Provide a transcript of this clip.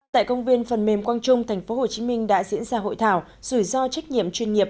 tại công viên phần mềm quang trung tp hcm đã diễn ra hội thảo rủi ro trách nhiệm chuyên nghiệp